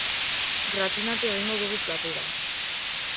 Gratinatu egingo dugu platera.